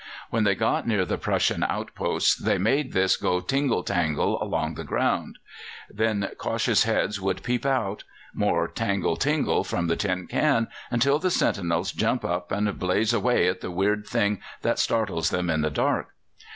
When they got near the Prussian outposts they made this go tingle tangle along the ground. Then cautious heads would peep out; more tangle tingle from the tin can, until the sentinels jump up and blaze away at the weird thing that startles them in the dark.